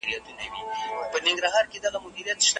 د هنر ټولنپوهنه هنري پنځونې څېړي.